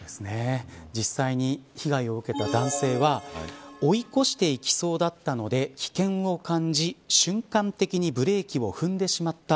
実際に、被害を受けた男性は追い越して行きそうだったので危険を感じ、瞬間的にブレーキを踏んでしまった。